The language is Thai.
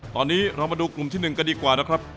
ตอนนี้เรามาดูกลุ่มที่๑กันดีกว่านะครับ